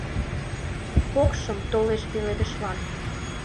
Покшым толеш пеледышлан